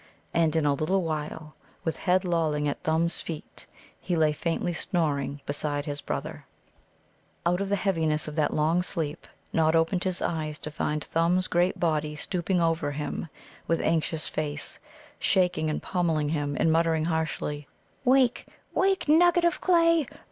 And in a little while, with head lolling at Thumb's feet, he lay faintly snoring beside his brother. Out of the heaviness of that long sleep Nod opened his eyes, to find Thumb's great body stooping over him with anxious face, shaking and pommelling him, and muttering harshly: "Wake, wake, Nugget of clay!